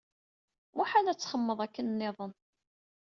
Muḥal ad txemmeḍ akken nniḍen.